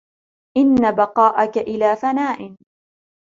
إنَّ بَقَاءَك إلَى فَنَاءٍ